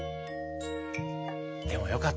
でもよかった。